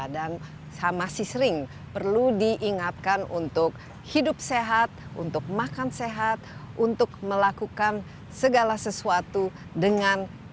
dan masih sering perlu diingatkan untuk hidup sehat untuk makan sehat untuk melakukan segala sesuatu dengan kesehatan